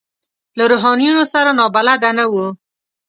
له روحانیونو سره نابلده نه وو.